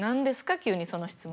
急にその質問。